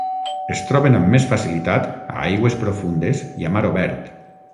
Es troben amb més facilitat a aigües profundes i a mar obert.